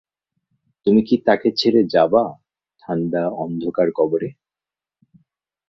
তুমি কি তাকে ছেড়ে যাবা ঠান্ডা, অন্ধকার কবরে।